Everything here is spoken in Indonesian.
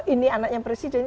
ini anaknya presiden